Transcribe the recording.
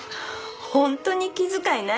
本当に気遣いないですね。